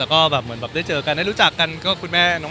ก็ได้เคยเห็นกันคุณแม่หน้าใหม่แล้วคุณเหมือนไหม